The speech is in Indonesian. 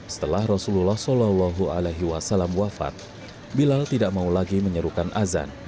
setelah rasulullah saw wafat bilal tidak mau lagi menyerukan azan